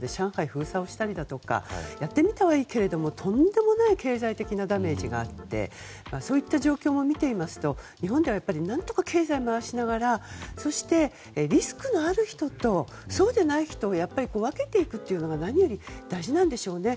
封鎖をしてみたりだとかやってみたはいいけどとんでもない経済的なダメージがあってそういった状況も見ていますと日本では何とか経済回しながらそして、リスクのある人とそうでない人を分けていくというのが何より大事なんでしょうね。